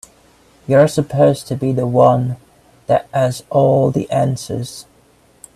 You're supposed to be the one that has all the answers.